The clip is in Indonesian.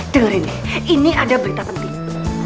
dengerin nih ini ada berita penting